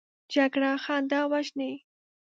جګړه خندا وژني